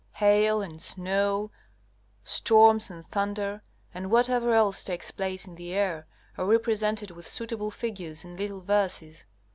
Hail and snow, storms and thunder, and whatever else takes place in the air, are represented with suitable figures and little verses.